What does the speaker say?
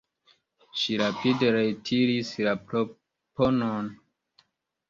Ŝi rapide retiris la proponon.